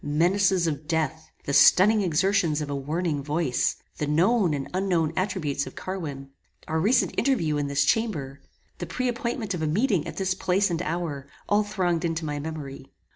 Menaces of death; the stunning exertions of a warning voice; the known and unknown attributes of Carwin; our recent interview in this chamber; the pre appointment of a meeting at this place and hour, all thronged into my memory.